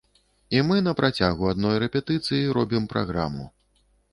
І мы на працягу адной рэпетыцыі робім праграму.